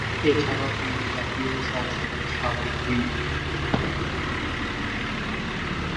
এছাড়া তিনি জাতীয় সংসদের সাবেক হুইপ।